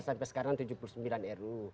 sampai sekarang tujuh puluh sembilan ru